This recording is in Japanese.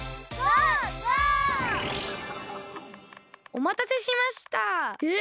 おまたせしましたえ！？